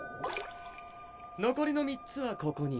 残りの３つはここに。